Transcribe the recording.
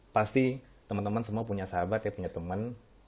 pasti teman teman semua punya sahabat ya punya teman